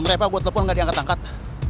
don reva gua telepon gak diangkat angkat